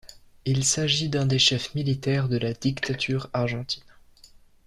Il s'agit d'un des chefs militaires de la dictature argentine.